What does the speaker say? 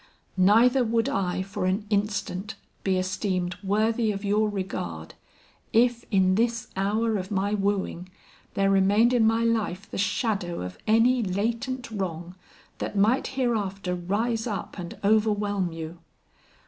Neither would I for an instant be esteemed worthy of your regard, if in this hour of my wooing there remained in my life the shadow of any latent wrong that might hereafter rise up and overwhelm you.